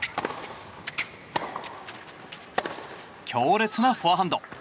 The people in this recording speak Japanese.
強烈なフォアハンド。